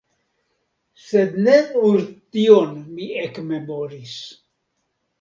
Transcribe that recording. Sed ne nur tion mi ekmemoris.